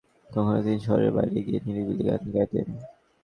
কখনো তিনি শহরের বাইরে গিয়ে নিরিবিলি গান গাইতেন।